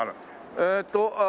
えっとああ